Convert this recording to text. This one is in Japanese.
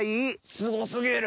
すご過ぎる！